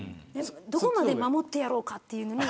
どこまで守ってやろうかというのに。